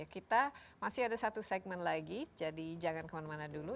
kita masih ada satu segmen lagi jadi jangan kemana mana dulu